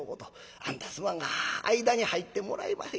あんたすまんが間に入ってもらえまへんやろか。